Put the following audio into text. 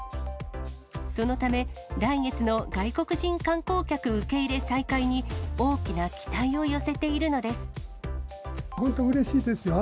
そのため、来月の外国人観光客受け入れ再開に、大きな期待を寄せているので本当にうれしいですよ。